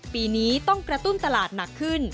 ปีนี้ต้องกระตุ้นตลาดหนักขึ้น